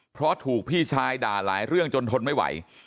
เพราะถูกพี่ชายด่าหลายเรื่องจนทนไม่ไหว